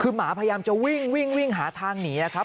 คือหมาพยายามจะวิ่งวิ่งหาทางหนีนะครับ